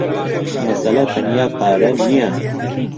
مەسەلە تەنیا پارە نییە.